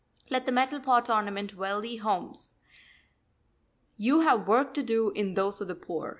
Let the metal pot ornament wealthy homes; you have work to do in those of the poor.